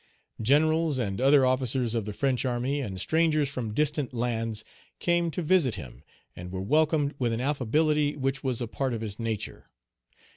Generals and other officers of the French army, and strangers from distant lands, came to visit him, and were welcomed with an affability which was a part of his nature.